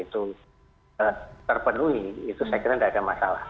itu terpenuhi itu saya kira tidak ada masalah